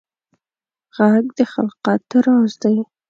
غږ د خلقت راز دی